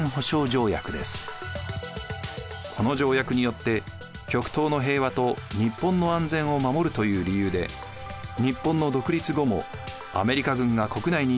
この条約によって極東の平和と日本の安全を守るという理由で日本の独立後もアメリカ軍が国内に駐留を続けることになりました。